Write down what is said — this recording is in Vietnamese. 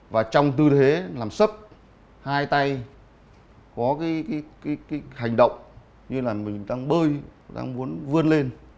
và trong tư thế làm sấp hai tay có cái hành động như là mình đang bơi đang muốn vươn lên